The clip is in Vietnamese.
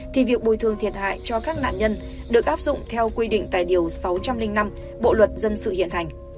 thì việc bồi thường thiệt hại cho các nạn nhân được áp dụng theo quy định tại điều sáu trăm linh năm bộ luật dân sự hiện hành